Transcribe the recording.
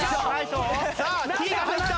さあＴが入った。